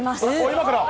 今から？